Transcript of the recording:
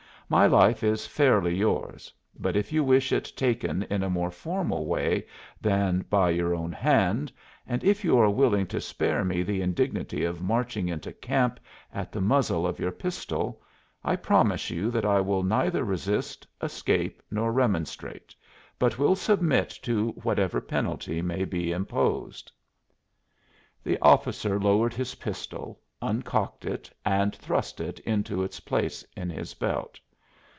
My life is fairly yours, but if you wish it taken in a more formal way than by your own hand, and if you are willing to spare me the indignity of marching into camp at the muzzle of your pistol, I promise you that I will neither resist, escape, nor remonstrate, but will submit to whatever penalty may be imposed." The officer lowered his pistol, uncocked it, and thrust it into its place in his belt.